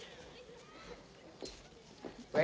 はい！